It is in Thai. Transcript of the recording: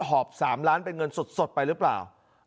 หอบ๓ล้านเป็นเงินสดไปหรือเปล่า